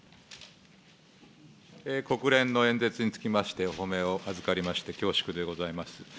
国連の演説につきまして、お褒めをあずかりまして恐縮でございます。